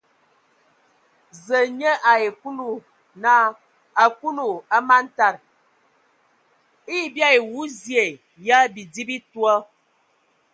Zǝ nye ai Kulu naa : a Kulu, a man tad, eyə bii awu zie ya bidi bi toa ?